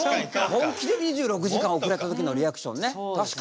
本気で２６時間遅れた時のリアクションね。